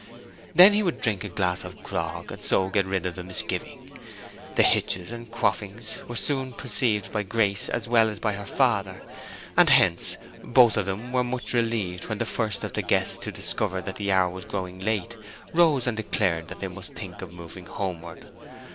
Then he would drink a glass of grog and so get rid of the misgiving. These hitches and quaffings were soon perceived by Grace as well as by her father; and hence both of them were much relieved when the first of the guests to discover that the hour was growing late rose and declared that he must think of moving homeward.